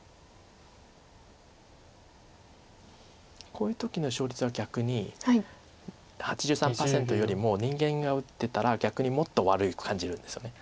こういう時の勝率は逆に８３％よりも人間が打ってたら逆にもっと悪く感じるんですよね。